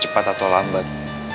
cepat atau lambat